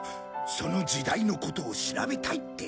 その時代のことを調べたいって。